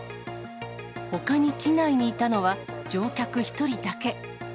ほかに機内にいたのは、乗客１人だけ。